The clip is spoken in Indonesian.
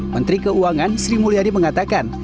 menteri keuangan sri mulyani mengatakan